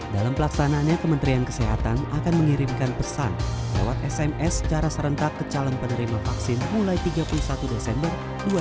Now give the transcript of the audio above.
dalam pelaksanaannya kementerian kesehatan akan mengirimkan pesan lewat sms secara serentak ke calon penerima vaksin mulai tiga puluh satu desember dua ribu dua puluh